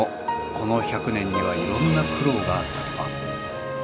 この１００年にはいろんな苦労があったとか。